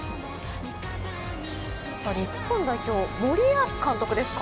日本代表・森保監督ですか？